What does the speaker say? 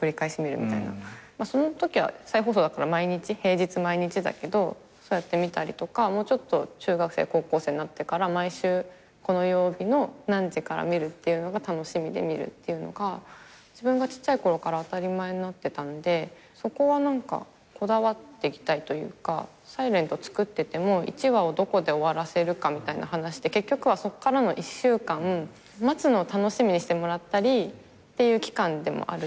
そのときは再放送だから平日毎日だけどそうやって見たりとか中学生高校生になってから毎週この曜日の何時から見るのが楽しみで見るっていうのが自分がちっちゃいころから当たり前になってたんでそこは何かこだわっていきたいというか『ｓｉｌｅｎｔ』つくってても１話をどこで終わらせるかみたいな話って結局はそっからの一週間待つのを楽しみにしてもらったりって期間でもあるじゃないですか。